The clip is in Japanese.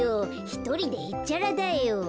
ひとりでへっちゃらだよ。